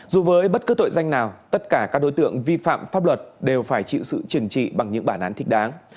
dù với bất cứ tội danh nào tất cả các đối tượng vi phạm pháp luật đều phải chịu sự trừng trị bằng những bản án thích đáng